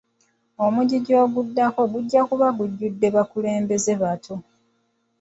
Omujiji oguddako gujja kuba gujjudde bakulembeze bato.